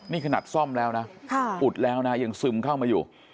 นี่ขนาดซ่อมแล้วนะอุดแล้วนะยังซึมเข้ามาอยู่